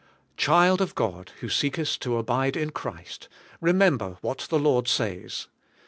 Child of God, who seekest to abide in Christ, re member what the Lord says.